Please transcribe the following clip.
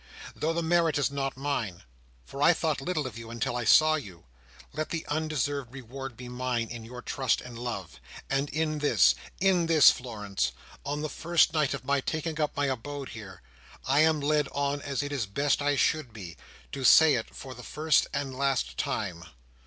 "Though the merit is not mine, for I thought little of you until I saw you, let the undeserved reward be mine in your trust and love. And in this—in this, Florence; on the first night of my taking up my abode here; I am led on as it is best I should be, to say it for the first and last time."